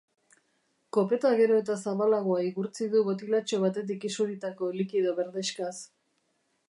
Kopeta gero eta zabalagoa igurtzi du botilatxo batetik isuritako likido berdexkaz.